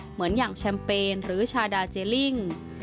เหมือนอย่างแชมเปญหรือชาดาเจลิ่ง